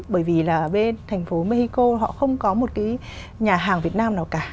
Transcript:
bởi vì là ở bên thành phố mexico họ không có một cái nhà hàng việt nam nào cả